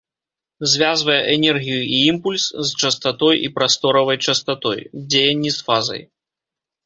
Звязвае энергію і імпульс з частатой і прасторавай частатой, дзеянні з фазай.